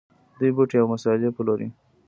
دوی بوټي او مسالې پلوري.